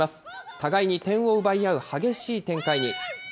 互いに点を奪い合う激しい展開に。